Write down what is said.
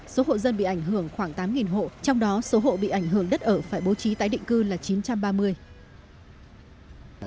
số hộ dân bị ảnh hưởng khoảng tám hộ trong đó số hộ bị ảnh hưởng đất ở phải bố trí tái định cư là chín trăm ba mươi